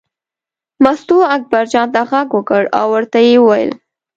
مستو اکبرجان ته غږ وکړ او ورته یې وویل.